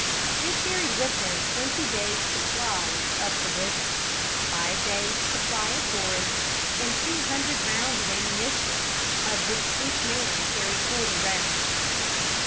They carried with them twenty days' supplies of provisions, five days' supply of forage, and two hundred rounds of ammunition, of which each man carried forty rounds.